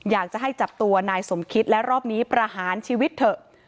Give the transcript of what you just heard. อยากจะให้จับตัวนายสมคิตและรอบนี้ประหารชีวิตเถอะ